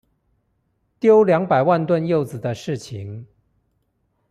丟兩百萬噸柚子的事情